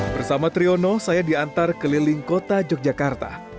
bersama triono saya diantar keliling kota yogyakarta